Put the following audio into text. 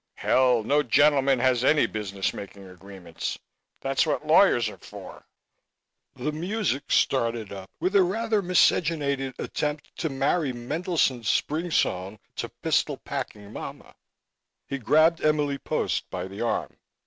"Hell! no gentleman has any business making agreements. That's what lawyers are for." The music started up with a rather miscegenated attempt to marry Mendelssohn's Spring Song to "Pistol Packing Momma." He grabbed Emily Post by the arm.